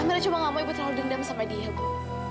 amirah cuma nggak mau ibu terlalu dendam sama dia bu